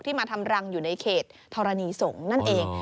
มาทำรังอยู่ในเขตธรณีสงฆ์นั่นเอง